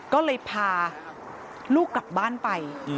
ก็เลยพาลูกกลับบ้านไป